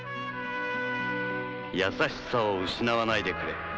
優しさを失わないでくれ。